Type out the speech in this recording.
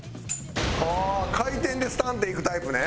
回転でスタンっていくタイプね。